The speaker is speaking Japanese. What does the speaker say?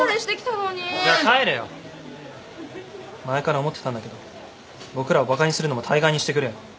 前から思ってたんだけど僕らをバカにするのもたいがいにしてくれよ。